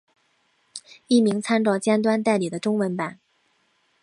译名参照尖端代理的中文版。